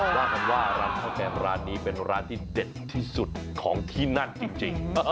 ว่ากันว่าร้านข้าวแกงร้านนี้เป็นร้านที่เด็ดที่สุดของที่นั่นจริง